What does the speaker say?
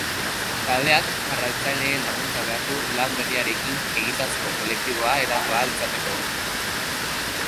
Taldeak jarraitzaileen laguntza behar du lan berriarekin egitasmo kolektiboa eratu ahal izateko.